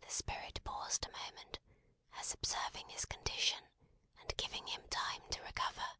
The Spirit paused a moment, as observing his condition, and giving him time to recover.